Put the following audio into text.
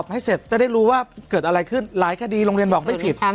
ให้เสร็จจะได้รู้ว่าเกิดอะไรขึ้นหลายคดีโรงเรียนบอกไม่ผิด